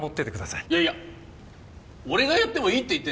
いやいや俺がやってもいいって言ってるんだぞ？